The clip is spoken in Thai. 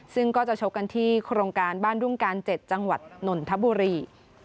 ซึ่งก็จะชกกันที่โครงการบ้านดุ้งการ๗จังหวัดนนทบุรี